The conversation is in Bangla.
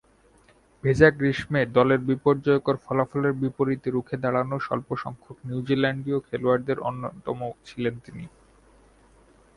ভেজা গ্রীষ্মে দলের বিপর্যয়কর ফলাফলের বিপরীতে রুখে দাঁড়ানো স্বল্পসংখ্যক নিউজিল্যান্ডীয় খেলোয়াড়ের অন্যতম ছিলেন তিনি।